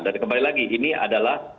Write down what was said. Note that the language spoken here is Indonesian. dan kembali lagi ini adalah